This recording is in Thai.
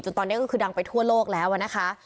ตอนนี้ก็คือดังไปทั่วโลกแล้วนะคะ